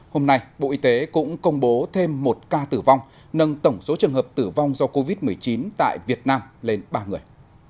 hôm nay bộ y tế cũng công bố thêm một ca tử vong nâng tổng số trường hợp tử vong do covid một mươi chín tại việt nam lên ba người